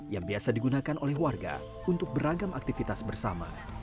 yang biasa digunakan oleh warga untuk beragam aktivitas bersama